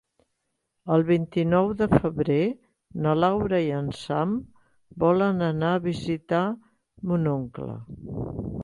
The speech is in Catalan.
El vint-i-nou de febrer na Laura i en Sam volen anar a visitar mon oncle.